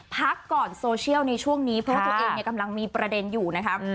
พักก่อนโซเชียลในช่วงนี้เพราะว่าตัวเองกำลังมีประเด็นอยู่นะครับ